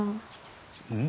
うん？